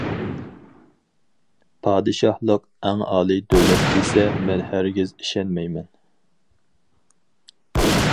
؟... پادىشاھلىق ئەڭ ئالىي دۆلەت دېسە مەن ھەرگىز ئىشەنمەيمەن.